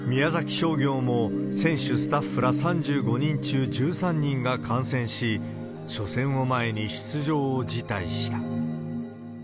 商業も選手、スタッフら３５人中１３人が感染し、初戦を前に出場を辞退した。